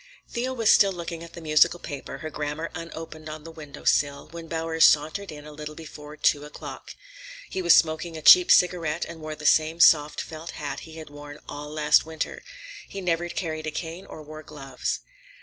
Thea was still looking at the musical paper, her grammar unopened on the window sill, when Bowers sauntered in a little before two o'clock. He was smoking a cheap cigarette and wore the same soft felt hat he had worn all last winter. He never carried a cane or wore gloves.